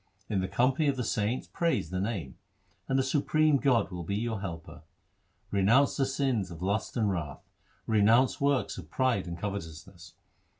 In the company of the saints praise the Name, and the Supreme God will be your Helper. Renounce the sins of lust and wrath ; Renounce works of pride and covetousness.